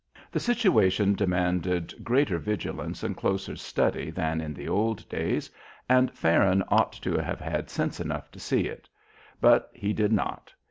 The situation demanded greater vigilance and closer study than in the old days, and Farron ought to have had sense enough to see it. But he did not.